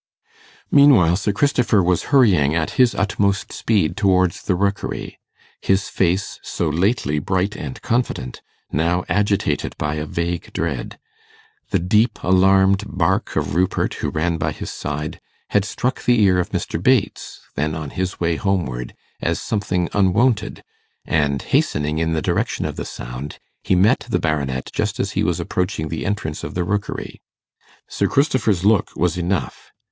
Meanwhile Sir Christopher was hurrying at his utmost speed towards the Rookery; his face, so lately bright and confident, now agitated by a vague dread. The deep alarmed bark of Rupert, who ran by his side, had struck the ear of Mr. Bates, then on his way homeward, as something unwonted, and, hastening in the direction of the sound, he met the Baronet just as he was approaching the entrance of the Rookery. Sir Christopher's look was enough.